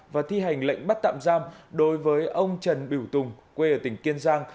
và thi hành lệnh bắt tạm giam đối với ông trần biểu tùng quê ở tỉnh kiên giang